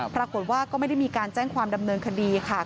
ปรากฏว่าก็ไม่ได้มีการแจ้งความดำเนินคดีค่ะ